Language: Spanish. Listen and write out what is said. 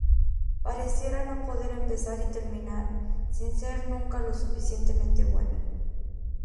Pareciera no poder empezar y terminar, sin ser nunca lo suficientemente buena.